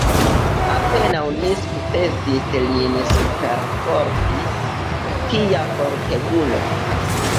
Apenaŭ ni sukcesis lin superforti, tia fortegulo!